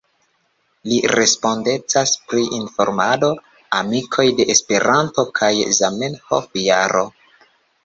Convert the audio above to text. Li respondecas pri informado, Amikoj de Esperanto kaj Zamenhof-Jaro.